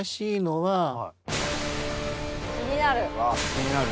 気になる。